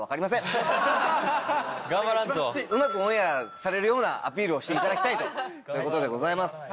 ・頑張らんと・うまくオンエアされるようなアピールをしていただきたいということでございます。